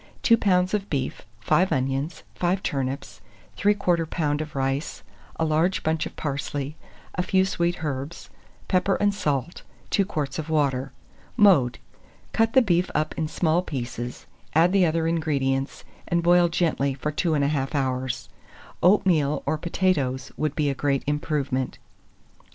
2 lbs. of beef, 5 onions, 5 turnips, 3/4 lb. of rice, a large bunch of parsley, a few sweet herbs, pepper and salt, 2 quarts of water. Mode. Cut the beef up in small pieces, add the other ingredients, and boil gently for 21/2 hours. Oatmeal or potatoes would be a great improvement.